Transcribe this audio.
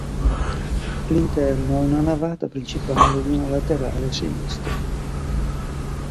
L'interno ha una navata principale ed una laterale a sinistra.